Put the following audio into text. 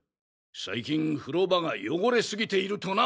最近風呂場が汚れ過ぎているとな！